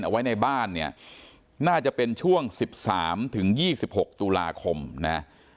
เอาไว้ในบ้านเนี่ยน่าจะเป็นช่วงสิบสามถึงยี่สิบหกตุลาคมนะ